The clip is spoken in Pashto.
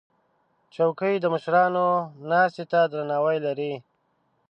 چوکۍ د مشرانو ناستې ته درناوی لري.